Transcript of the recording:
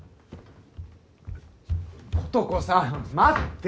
琴子さん待って。